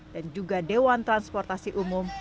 dan juga dewan transportasi umum